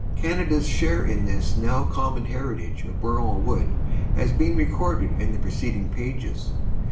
Canada s share in this now common heritage of Bourlon Wood has been recorded in the preced ing pages.